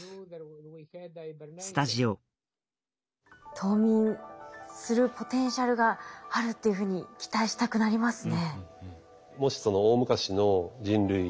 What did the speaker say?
冬眠するポテンシャルがあるっていうふうに期待したくなりますね。